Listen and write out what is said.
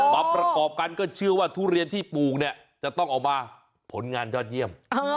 ประกอบกันก็เชื่อว่าทุเรียนที่ปลูกเนี่ยจะต้องออกมาผลงานยอดเยี่ยม